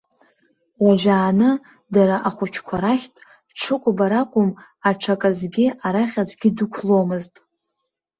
Уажәааны, дара ахәыҷқәа рахьтә, ҽыкәабара акәым, аҽаказгьы арахь аӡәгьы дықәломызт.